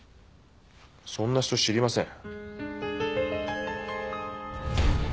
そんな人知りません。